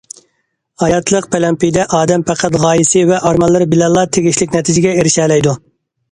ھاياتلىق پەلەمپىيىدە ئادەم پەقەت غايىسى ۋە ئارمانلىرى بىلەنلا تېگىشلىك نەتىجىگە ئېرىشەلەيدۇ.